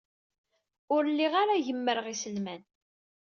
Ur lliɣ ara gemmreɣ iselman.